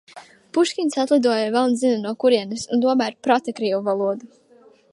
Puškins atlidoja velns zina no kurienes un tomēr prata krievu valodu.